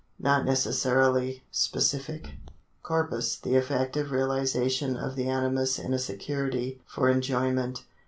Not necessarily specific. Corpus — the effective reaUsation of the animus in a security for enjoy ment.